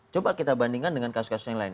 coba kita bandingkan dengan kasus kasus yang lain